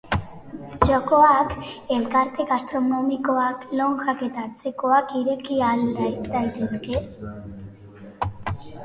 Txokoak, elkarte gastronomikoak, lonjak eta antzekoak ireki al daitezke?